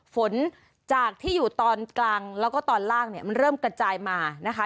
ฝนจากที่อยู่ตอนกลางแล้วก็ตอนล่างเนี่ยมันเริ่มกระจายมานะคะ